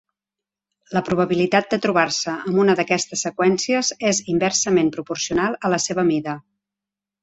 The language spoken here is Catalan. La probabilitat de trobar-se amb una d'aquestes seqüències és inversament proporcional a la seva mida.